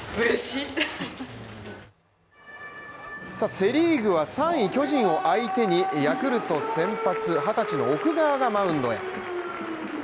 セ・リーグは３位巨人を相手に、ヤクルト先発２０歳の奥川がマウンドへ。